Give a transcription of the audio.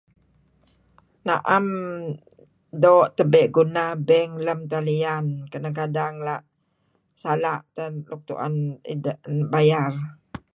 Naem doo' tabe' guna bank lam talian kadang-kadang sala' tah nuk tuen deh bayar.